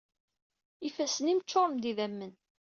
Ifassen-im ččuṛen d idammen.